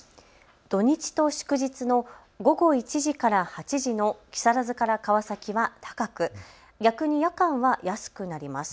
土日と祝日の午後１時から８時の木更津から川崎は高く逆に夜間は安くなります。